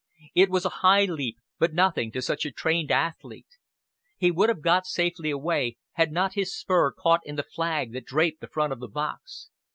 It was a high leap, but nothing to such a trained athlete. He would have got safely away, had not his spur caught in the flag that draped the front of the box.